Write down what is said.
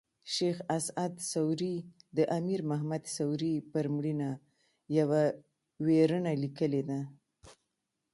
شېخ اسعد سوري د امیر محمد سوري پر مړینه یوه ویرنه لیکلې ده.